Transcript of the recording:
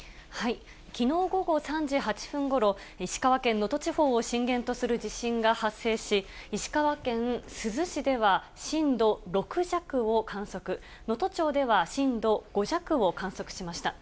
きのう午後３時８分ごろ、石川県能登地方を震源とする地震が発生し、石川県珠洲市では震度６弱を観測、能登町では震度５弱を観測しました。